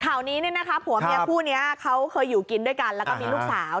ข่าวนี้เนี่ยนะคะผัวเมียคู่นี้เขาเคยอยู่กินด้วยกันแล้วก็มีลูกสาว